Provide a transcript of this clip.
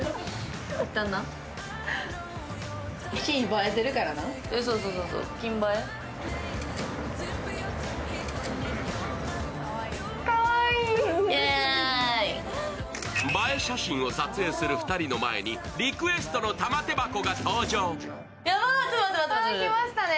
映え写真を撮影する２人の前にリクエストの玉手箱が登場。